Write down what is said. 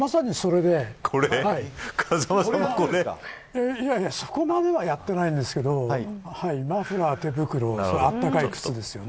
そこまではやってないんですけどマフラー、手袋暖かい靴ですよね。